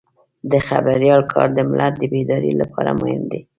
د خبریال کار د ملت د بیدارۍ لپاره مهم دی.